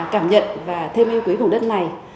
cảm nhận và thêm yêu quý vùng đất này